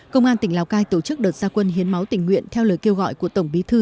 công an tỉnh lào cai tổ chức đợt gia quân hiến máu tình nguyện theo lời kêu gọi của tổng bí thư